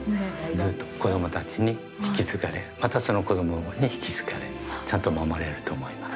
ずっと子供たちに引き継がれるまた、その子供に引き継がれるちゃんと守られると思います。